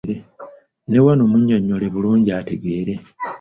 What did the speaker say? Ne wano munnyonnyole bulungi ategeere.